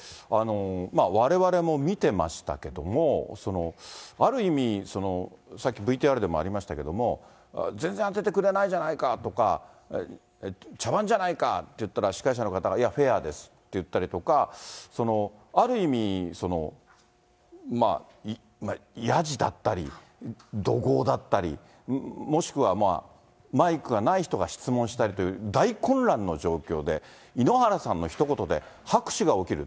われわれも見てましたけども、ある意味、さっきＶＴＲでもありましたけれども、全然当ててくれないじゃないかとか、茶番じゃないかって言ったら、司会者の方が、いや、フェアですと言ったりとか、ある意味、やじだったり、怒号だったり、もしくはマイクがない人が質問したり、大混乱の状況で、井ノ原さんのひと言で拍手が起きる。